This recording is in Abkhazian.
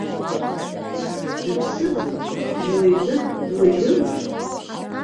Дыԥсыӡым, дуаҩны дуаҩым?!